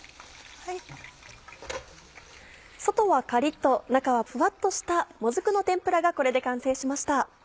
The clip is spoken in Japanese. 外はカリっと中はふわっとしたもずくの天ぷらがこれで完成しました。